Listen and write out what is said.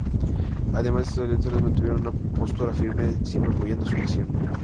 Ante estas, los editores mantuvieron una postura firme, siempre apoyando a su nación.